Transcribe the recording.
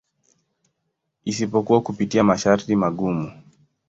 Isipokuwa kupitia masharti magumu.